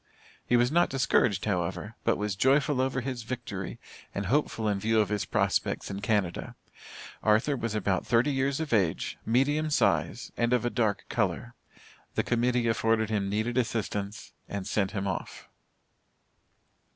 He was not discouraged, however, but was joyful over his victory and hopeful in view of his prospects in Canada. Arthur was about thirty years of age, medium size, and of a dark color. The Committee afforded him needed assistance, and sent him off.